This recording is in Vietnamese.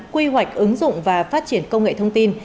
quy hoạch ứng dụng và phát triển công nghệ thông tin